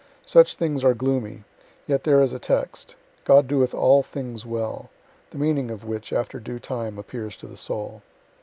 Such things are gloomy yet there is a text, "God doeth all things well" the meaning of which, after due time, appears to the soul.